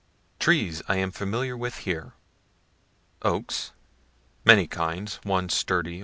Trees I am familiar with here. Oaks, (many kinds one sturdy Willows.